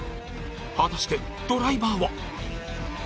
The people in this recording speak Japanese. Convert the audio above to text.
果たして、ドライバーは。